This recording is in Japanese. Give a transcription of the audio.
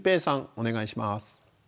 お願いします。